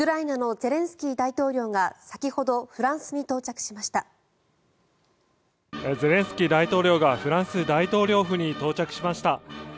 ゼレンスキー大統領がフランスの大統領府に到着しました。